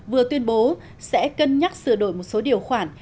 vừa tuyên bố sẽ cân nhắc sửa đổi một số điều khoản